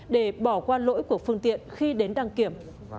để bỏ qua lỗi của phương tiện khi đến đăng kiểm